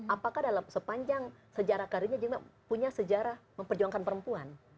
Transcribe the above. apakah dalam sepanjang sejarah karirnya juga punya sejarah memperjuangkan perempuan